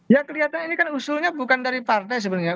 ya kelihatan ini kan usulnya bukan dari partai sebenarnya